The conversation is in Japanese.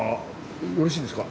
よろしいですか？